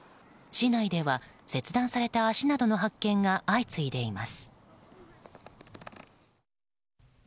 市内では、切断された足などの発見が相次いでいます。